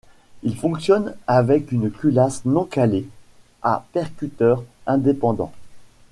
Il fonctionne avec une culasse non calée à percuteur indépendant.